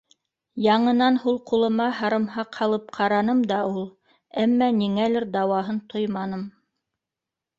Яңынан һул ҡулыма һарымһаҡ һалып ҡараным да ул, әммә ниңәлер дауаһын тойманым.